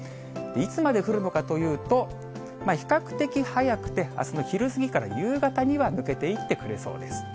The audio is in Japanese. いつまで降るのかというと、比較的早くて、あすの昼過ぎから夕方には抜けていってくれそうです。